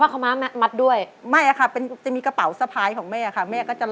เขาเหนียวครับเขามีของดี